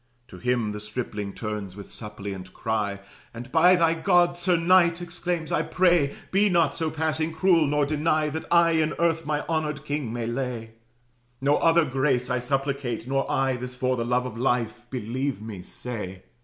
To him the stripling turns, with suppliant cry, And, "By thy God, sir knight," exclaims, "I pray, Be not so passing cruel, nor deny That I in earth my honored king may lay: No other grace I supplicate, nor I This for the love of life, believe me, say.